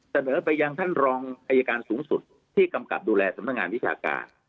เสนอไปยังท่านรองอายการสูงสุดที่กำกับดูแลสำนักงานวิชาการ